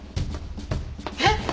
えっ！？